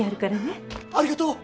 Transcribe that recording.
ありがとう！